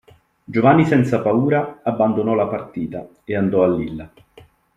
Giovanni senza Paura abbandonò la partita ed andò a Lilla.